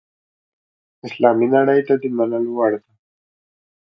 اسلامي نړۍ ته د منلو وړ ده.